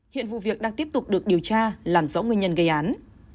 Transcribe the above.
hiện vụ việc đang tiếp tục được điều tra làm rõ nguyên nhân gây án